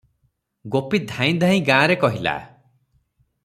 ଗୋପୀ ଧାଇଁ ଯାଇଁ ଗାଁରେ କହିଲା ।